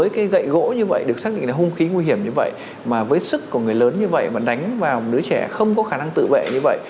cái gậy gỗ như vậy được xác định là hung khí nguy hiểm như vậy mà với sức của người lớn như vậy mà đánh vào đứa trẻ không có khả năng tự vệ như vậy